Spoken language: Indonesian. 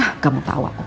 hah kamu tau aku